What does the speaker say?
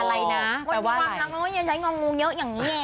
ก็ไม่ต้องพี่วันทำไมวะอย่างน้อยสายองพี่งูเยอะอย่างเงี้ย